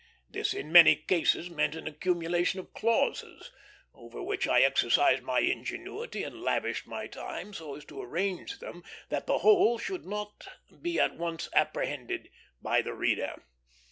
This in many cases meant an accumulation of clauses, over which I exercised my ingenuity and lavished my time so to arrange them that the whole should be at once apprehended by the reader.